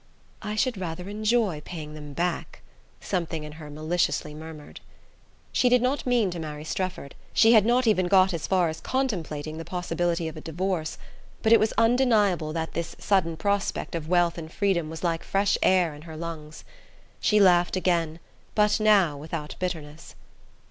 "I should rather enjoy paying them back," something in her maliciously murmured. She did not mean to marry Strefford she had not even got as far as contemplating the possibility of a divorce but it was undeniable that this sudden prospect of wealth and freedom was like fresh air in her lungs. She laughed again, but now without bitterness.